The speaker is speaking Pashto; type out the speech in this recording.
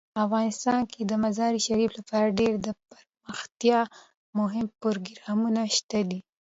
افغانستان کې د مزارشریف لپاره ډیر دپرمختیا مهم پروګرامونه شته دي.